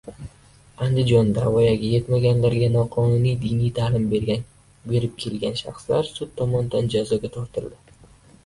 Andijonda voyaga etmaganlarga noqonuniy diniy ta’lim berib kelgan shaxslar sud tomonidan jazoga tortildi